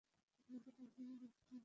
পদমর্যাদা আমি না, আপনি ভুলে যাচ্ছেন।